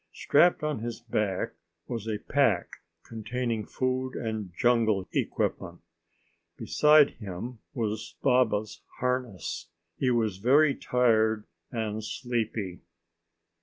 Strapped on his back was a pack containing food and jungle equipment. Beside him was Baba's harness. He was very tired and sleepy.